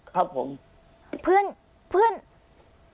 ครับผม